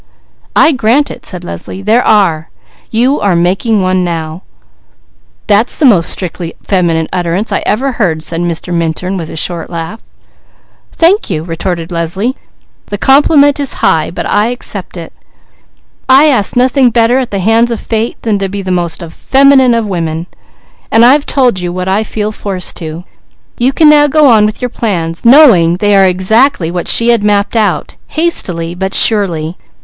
"I grant it," said Leslie. "There are! You are making one right now!" "That's the most strictly feminine utterance I ever heard," said Mr. Minturn, with a short laugh. "Thank you," retorted Leslie. "The compliment is high, but I accept it. I ask nothing better at the hands of fate than to be the most feminine of women. And I've told you what I feel forced to. You can now go on with your plans, knowing they are exactly what she had mapped out, hastily, but surely.